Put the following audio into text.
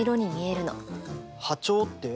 波長って？